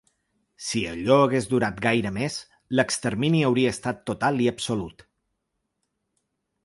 Si allò hagués durat gaire més, l’extermini hauria estat total i absolut.